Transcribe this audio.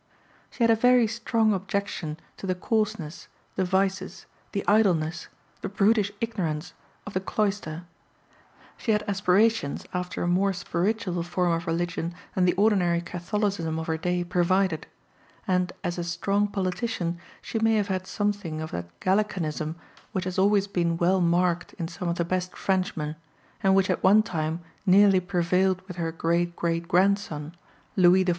She had a very strong objection to the coarseness, the vices, the idleness, the brutish ignorance of the cloister; she had aspirations after a more spiritual form of religion than the ordinary Catholicism of her day provided, and as a strong politician she may have had something of that Gallicanism which has always been well marked in some of the best Frenchmen, and which at one time nearly prevailed with her great great grandson, Louis XIV.